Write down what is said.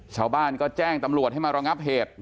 ชาวบ้านก็แจ้งตำรวจให้มารองับเหตุ